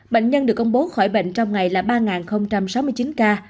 bệnh nhân được công bố khỏi bệnh trong ngày là ba sáu mươi chín ca